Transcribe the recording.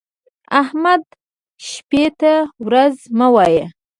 احمده! شپې ته ورځ مه وايه.